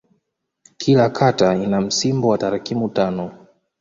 Kila kata ina msimbo wa tarakimu tano.